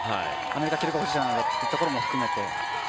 アメリカ記録保持者だというところも含めて。